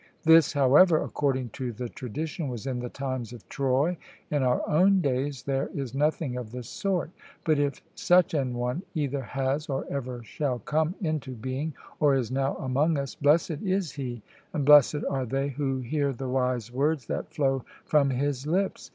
This, however, according to the tradition, was in the times of Troy; in our own days there is nothing of the sort; but if such an one either has or ever shall come into being, or is now among us, blessed is he and blessed are they who hear the wise words that flow from his lips.